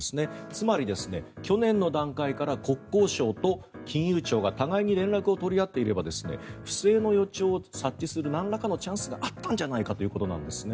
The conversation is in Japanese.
つまり、去年の段階から国交省と金融庁が互いに連絡を取り合っていれば不正の予兆を察知するなんらかのチャンスがあったんじゃないかということなんです。